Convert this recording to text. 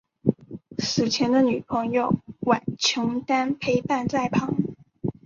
死前的女朋友苑琼丹陪伴在旁。